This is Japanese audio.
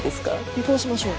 尾行しましょう。